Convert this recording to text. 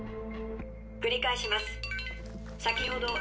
「繰り返します」